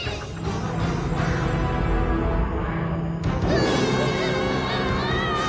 うわ！